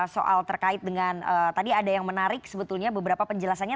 soal terkait dengan tadi ada yang menarik sebetulnya beberapa penjelasannya